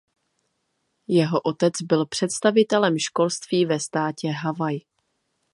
Jeho otec byl představitelem školství ve státě Havaj.